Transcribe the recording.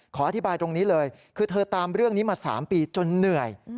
ขออธิบายตรงนี้เลยคือเธอตามเรื่องนี้มา๓ปีจนเหนื่อย